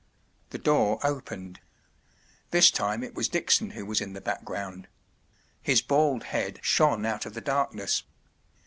” The door opened. This time it was Dick¬ son who was in the background. His bald head shone out of the darkness.